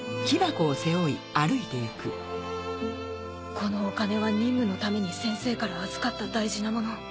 このお金は任務のために先生から預かった大事なもの。